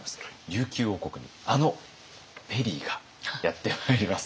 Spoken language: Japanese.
琉球王国にあのペリーがやって参ります。